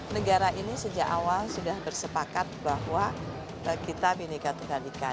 negara ini sejak awal sudah bersepakat bahwa kita binikan binikan